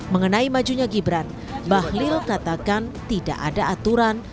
mengenai majunya gibran bahlil katakan tidak ada aturan